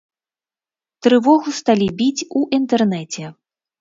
Трывогу сталі біць у інтэрнэце.